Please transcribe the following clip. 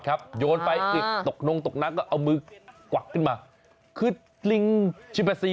ครับโยนไปอีกตกนงตกนักก่อนเอามือกว่าขึ้นมาคือทริงชิภาษี